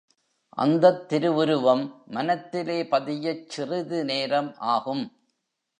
அந்தத் திருவுருவம் மனத்திலே பதியச் சிறிது நேரம் ஆகும்.